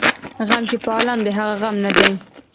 ـ غم چې په عالم دى هغه غم نه دى.